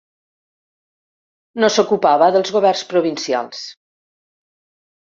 No s'ocupava dels governs provincials.